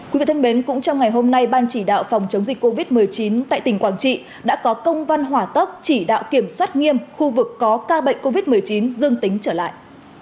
quý vị thân mến cũng trong ngày hôm nay ban chỉ đạo phòng chống dịch covid một mươi chín tại tỉnh quảng trị đã có công văn hỏa tốc chỉ đạo kiểm soát nghiêm khu vực có ca bệnh covid một mươi chín dương tính trở lại